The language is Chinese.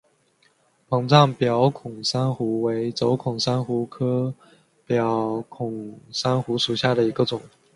膨胀表孔珊瑚为轴孔珊瑚科表孔珊瑚属下的一个种。